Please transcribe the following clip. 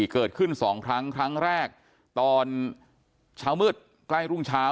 เกิดขึ้น๒ครั้งครั้งแรกตอนเช้ามืดใกล้รุ่งเช้า